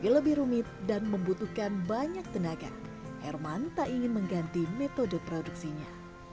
meski lebih rumit dan membutuhkan banyak tenaga herman tak ingin mengganti metode produksinya